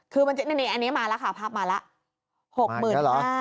คืออันนี้มาแล้วค่ะภาพมาแล้ว